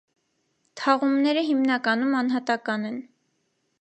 Թաղումները հիմնականում անհատական են։